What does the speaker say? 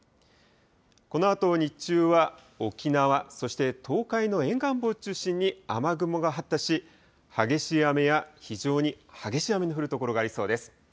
このあと日中は、沖縄、そして東海の沿岸部を中心に雨雲が発達し、激しい雨や、非常に激しい雨の降る所がありそうです。